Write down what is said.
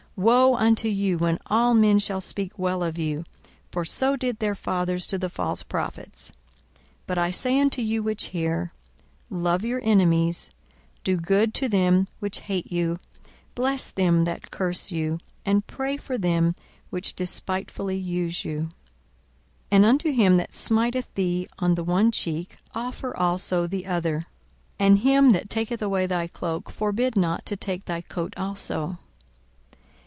42:006:026 Woe unto you, when all men shall speak well of you! for so did their fathers to the false prophets. 42:006:027 But I say unto you which hear, Love your enemies, do good to them which hate you, 42:006:028 Bless them that curse you, and pray for them which despitefully use you. 42:006:029 And unto him that smiteth thee on the one cheek offer also the other; and him that taketh away thy cloak forbid not to take thy coat also.